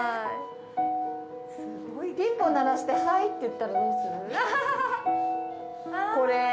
ピンポン鳴らして、はいって言ったら、どうする？